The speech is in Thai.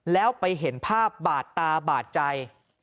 แล้วไปเห็นภาพบาดตาบาดใจ